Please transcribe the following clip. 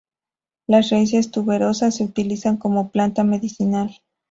Las raíces tuberosas se utilizan como planta medicinal.